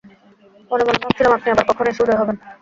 মনে মনে ভাবছিলাম আপনি আবার কখন এসে উদয় হবেন।